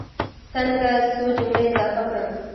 څنګه څو جملې اضافه کړم.